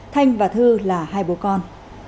thanh và thư là hai bố con